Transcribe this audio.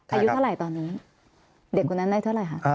อายุเท่าไหร่ตอนนี้เด็กคนนั้นได้เท่าไหร่คะ